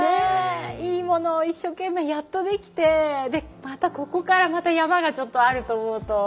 いいものを一生懸命やっとできてまたここから山がちょっとあると思うと。